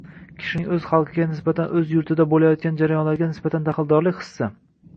Kishining o‘z xalqiga nisbatan, o‘z yurtida bo‘layotgan jarayonlarga nisbatan daxldorlik hissi